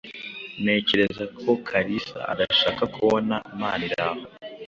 Ntekereza ko Kalisa adashaka kubona Maniraho.